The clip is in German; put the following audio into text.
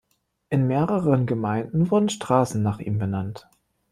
In mehreren Gemeinden wurden Straßen nach ihm benannt.